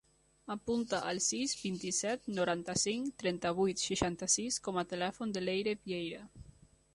Apunta el sis, vint-i-set, noranta-cinc, trenta-vuit, seixanta-sis com a telèfon de l'Eire Vieira.